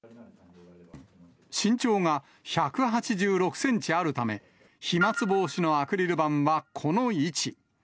身長が１８６センチあるため、飛まつ防止のアクリル板は、この位置。